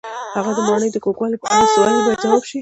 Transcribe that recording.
هغه د ماڼۍ د کوږوالي په اړه څه وویل باید ځواب شي.